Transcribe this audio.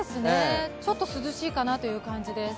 ちょっと涼しいかなという感じです。